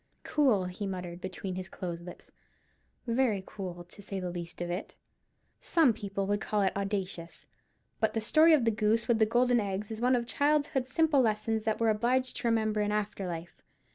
"Cool," he muttered between his closed lips; "very cool, to say the least of it. Some people would call it audacious. But the story of the goose with the golden eggs is one of childhood's simple lessons that we're obliged to remember in after life.